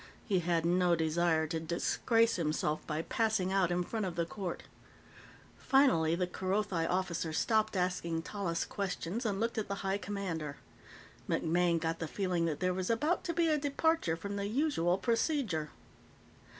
He had no desire to disgrace himself by passing out in front of the Court. Finally the Kerothi officer stopped asking Tallis questions and looked at the High Commander. MacMaine got the feeling that there was about to be a departure from the usual procedure.